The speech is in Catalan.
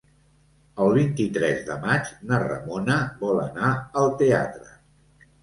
El vint-i-tres de maig na Ramona vol anar al teatre.